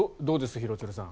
廣津留さん。